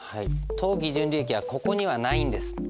当期純利益はここにはないんです。